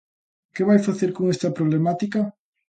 ¿Que vai facer con esta problemática?